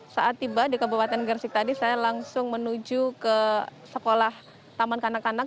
saat tiba di kabupaten gersik tadi saya langsung menuju ke sekolah taman kanak kanak